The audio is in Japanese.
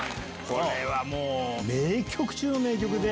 これはもう、名曲中の名曲で。